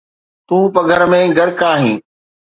تون پگهر ۾ غرق آهين